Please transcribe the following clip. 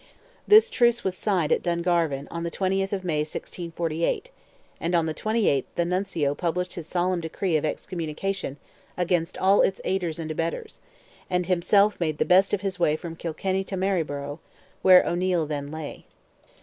This truce was signed at Dungarvan, on the 20th of May, 1648, and on the 27th the Nuncio published his solemn decree of excommunication against all its aiders and abettors, and himself made the best of his way from Kilkenny to Maryboro', where O'Neil then lay.